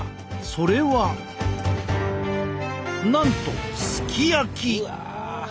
それはなんとすき焼き！